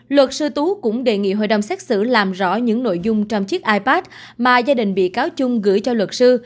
luật sư tú cũng đề nghị hội đồng xét xử làm rõ những nội dung trong chiếc ipad mà gia đình bị cáo chung gửi cho luật sư